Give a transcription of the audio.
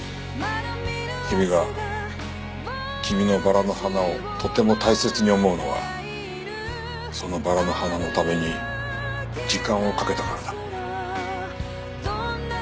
「きみがきみのバラの花をとても大切に思うのはそのバラの花のために時間をかけたからだ」。